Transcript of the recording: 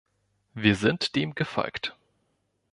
Wir sind dem gefolgt.